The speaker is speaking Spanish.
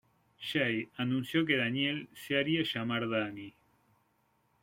Jay anunció que Danielle se haría llamar Dani.